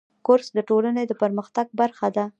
کورس د ټولنې د پرمختګ برخه ده.